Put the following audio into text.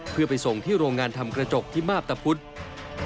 เพื่อไปส่งที่โรงงานทำกระจกที่มาพตะพุทธ